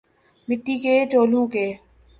مٹی کے چولہوں کے